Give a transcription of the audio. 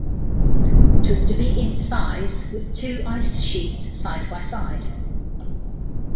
It was to be in size, with two ice sheets side by side.